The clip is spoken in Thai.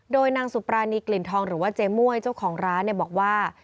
โดยนางสุปรานีกลิ่นทองหรือว่าเจ๊ม่วยเจ้าของร้านบอกว่า